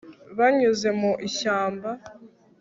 banyuze mu ishyamba